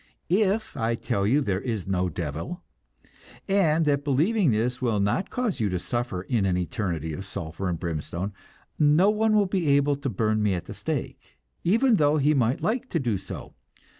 If I tell you there is no devil, and that believing this will not cause you to suffer in an eternity of sulphur and brimstone, no one will be able to burn me at the stake, even though he might like to do so.